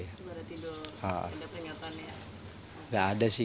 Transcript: nggak ada tidur nggak ada peringatan ya